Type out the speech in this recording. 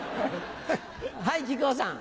はい木久扇さん。